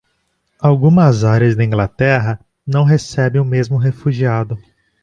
Algumas áreas da Inglaterra não recebem o mesmo refugiado.